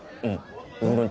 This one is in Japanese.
うん。